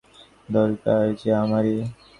দরকার যে আমারই।